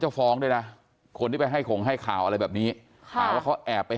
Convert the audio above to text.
ฟ้องด้วยนะคนที่ไปให้ขงให้ข่าวอะไรแบบนี้ค่ะหาว่าเขาแอบไป